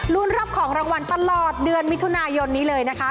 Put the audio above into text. รับของรางวัลตลอดเดือนมิถุนายนนี้เลยนะคะ